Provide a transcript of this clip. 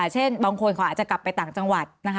เช่นบางคนเขาอาจจะกลับไปต่างจังหวัดนะคะ